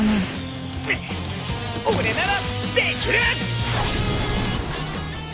俺ならできる！